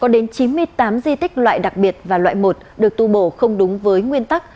chín mươi tám di tích loại đặc biệt và loại một được tu bổ không đúng với nguyên tắc